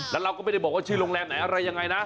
แล้วเราก็ไม่ได้บอกว่าชื่อโรงแรมไหนอะไรยังไงนะ